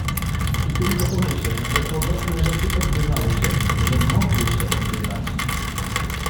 "I tylko pomyśleć, że podobne rzeczy odbywały się, że mogły się odbywać."